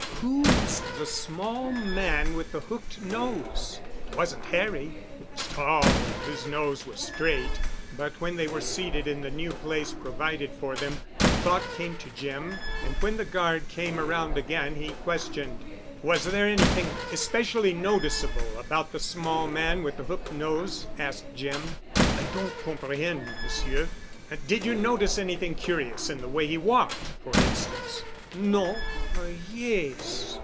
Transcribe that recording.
Who was the small man with the hooked nose? It wasn't Harry, who was tall—and whose nose was straight. But when they were seated in the new place provided for them, a thought came to Jim and when the guard came around again he questioned. "Was there anything especially noticeable about the small man with the hooked nose?" asked Jim. "I don't comprehend, M'sieu." "Did you notice anything curious in the way he walked for instance?" "No—yes.